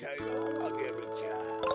アゲルちゃん。